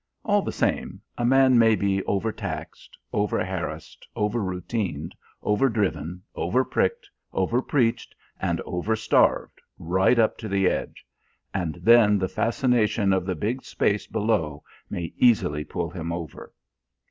All the same, a man may be overtaxed, over harassed, over routined, over driven, over pricked, over preached and over starved right up to the edge; and then the fascination of the big space below may easily pull him over.